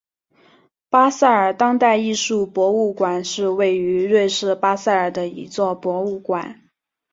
巴塞尔当代艺术博物馆是位于瑞士巴塞尔的一座博物馆。